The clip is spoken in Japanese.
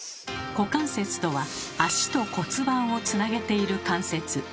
「股関節」とは足と骨盤をつなげている関節。